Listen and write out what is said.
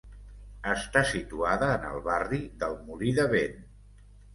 Està situada en el barri del Molí de Vent.